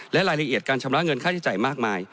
และรายละเอียดการชำระเงินค่าใช้จ่ายมากมาย